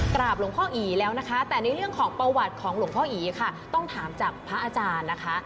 กราบหลวงพ่ออีแล้วนะคะแต่ในเรื่องของประวัติของหลวงพ่ออีค่ะต้องถามจากพระอาจารย์นะคะ